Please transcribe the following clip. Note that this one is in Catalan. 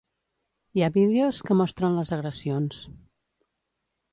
Hi ha vídeos que mostren les agressions.